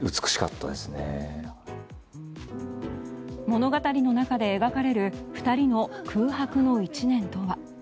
物語の中で描かれる２人の空白の１年とは。